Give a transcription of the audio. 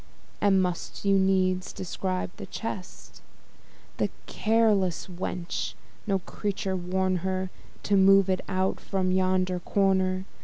And must you needs describe the chest? That careless wench! no creature warn her To move it out from yonder corner!